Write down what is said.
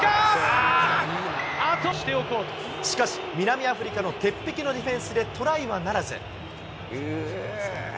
しかし、南アフリカの鉄壁のディフェンスでトライはならず。